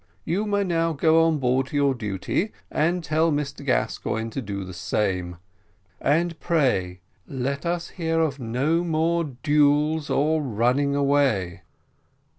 You may now go on board to your duty, and tell Mr Gascoigne to do the same; and pray let us hear of no more duels or running away."